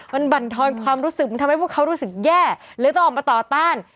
มันบรรทอนความรู้สึกมันทำให้พวกเขารู้สึกแย่หรือต้องออกมาต่อต้าน